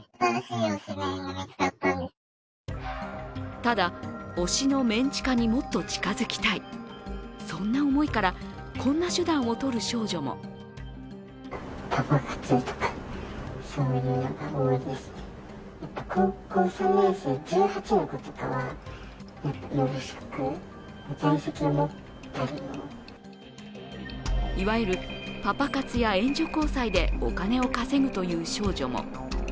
ただ、推しのメン地下にもっと近づきたい、そんな思いから、こんな手段をとる少女もいわゆるパパ活や援助交際でお金を稼ぐという少女も。